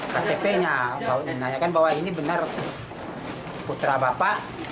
ktp nya ditanyakan bahwa ini benar putra bapak